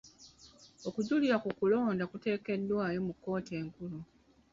Okujulira ku kulonda kuteekeddwayo mu kkooti enkulu.